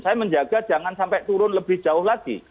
saya menjaga jangan sampai turun lebih jauh lagi